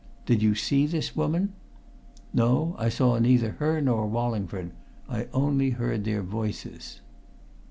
Did you see this woman?" "No, I saw neither her nor Wallingford. I only heard their voices."